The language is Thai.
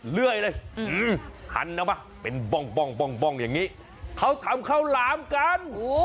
เลื่อยเลยหันเอามาเป็นบ้องอย่างนี้เขาทำข้าวหลามกัน